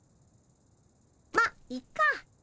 まっいっか。